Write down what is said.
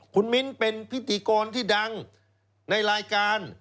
คุณมิ้นเป็นพิธีกรที่ดังในรายการ